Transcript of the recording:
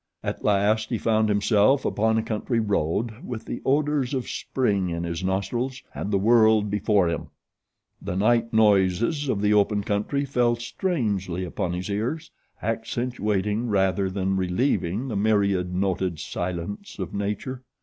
At last he found himself upon a country road with the odors of Spring in his nostrils and the world before him. The night noises of the open country fell strangely upon his ears accentuating rather than relieving the myriad noted silence of Nature.